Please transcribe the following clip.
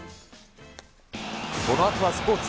このあとはスポーツ。